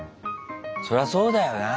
そりゃそうだよな。